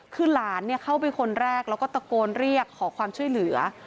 คือหลานเข้าไปคนแรกแล้วก็ตะโกนเรียกขอความช่วยเหลือ